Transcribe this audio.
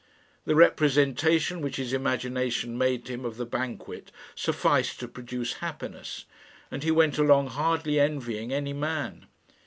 The representation which his imagination made to him of the banquet sufficed to produce happiness, and he went along hardly envying any man.